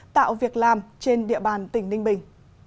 tạo việc làm trên địa bàn tỉnh ninh bình